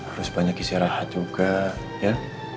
terus banyak istirahat juga ya